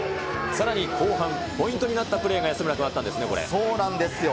さらに後半、ポイントになったプレーが安村君あったんですね。